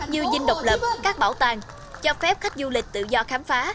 như dinh độc lập các bảo tàng cho phép khách du lịch tự do khám phá